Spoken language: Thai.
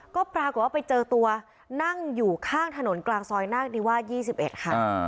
ก็ปรากฏว่าไปเจอตัวนั่งอยู่ข้างถนนกลางซอยนาคนิวาส๒๑ค่ะ